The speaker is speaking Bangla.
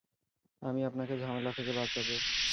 আমি আপনাকে ঝামেলা থেকে বাঁচাবো।